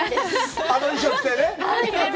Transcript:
あの衣装着てね。